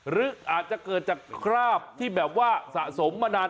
หรืออาจจะเกิดจากคราบที่แบบว่าสะสมมานาน